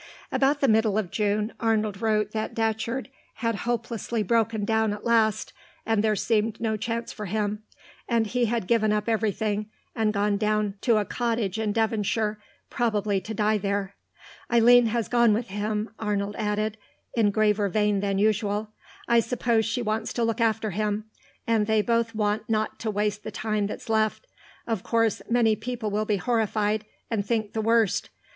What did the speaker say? About the middle of June Arnold wrote that Datcherd had hopelessly broken down at last, and there seemed no chance for him, and he had given up everything and gone down to a cottage in Devonshire, probably to die there. "Eileen has gone with him," Arnold added, in graver vein than usual. "I suppose she wants to look after him, and they both want not to waste the time that's left.... Of course, many people will be horrified, and think the worst.